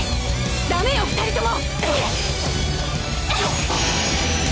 ダメよ２人とも！